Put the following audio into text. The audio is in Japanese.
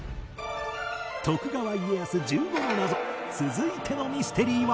徳川家康の１５の謎続いてのミステリーは